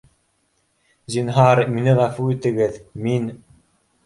— Зинһар мине ғәфү итегеҙ, мин